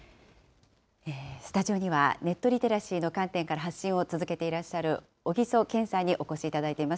スタジオには、ネットリテラシーの観点から発信を続けていらっしゃる、小木曽健さんにお越しいただいています。